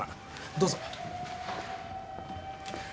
どうぞ。